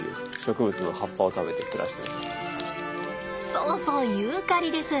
そうそうユーカリです。